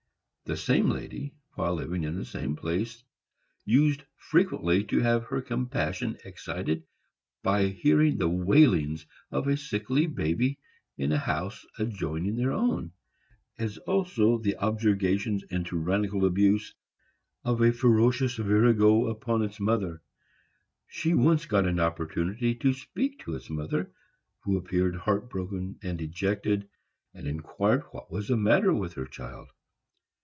This same lady, while living in the same place, used frequently to have her compassion excited by hearing the wailings of a sickly baby in a house adjoining their own, as also the objurgations and tyrannical abuse of a ferocious virago upon its mother. She once got an opportunity to speak to its mother, who appeared heart broken and dejected, and inquired what was the matter with her child.